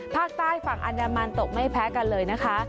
ภาคใต้ฝั่งอันดามันตกไม่แพ้กันเลยนะคะ